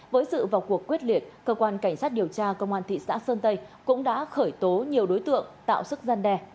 với sự vào cuộc quyết liệt cơ quan cảnh sát điều tra công an thị xã sơn tây cũng đã khởi tố nhiều đối tượng tạo sức gian đe